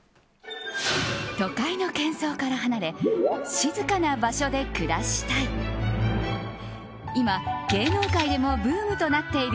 都会の喧騒から離れ静かな場所で暮らしたい。